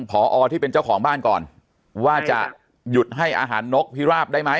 พอที่เป็นเจ้าของบ้านก่อนว่าจะหยุดให้อาหารนกพิราบได้ไหม